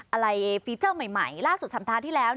อะไรฟีเจอร์ใหม่ล่าสุดสัปดาห์ที่แล้ว